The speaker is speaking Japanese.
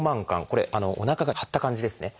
これおなかが張った感じですね。